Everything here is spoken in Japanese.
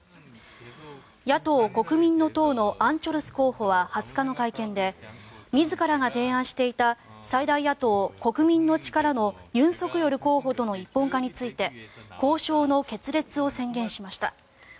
野党・国民の党のアン・チョルス候補は２０日の会見で自らが提案していた最大野党・国民の力のユン・ソクヨル候補との一本化について交渉の決裂を宣言しました。